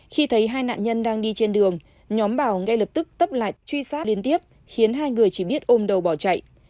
khi thấy hai nạn nhân đang đi trên đường nhóm bảo ngay lập tức tấp lại truy sát liên tiếp khiến hai người chỉ biết ôm đầu bỏ chạy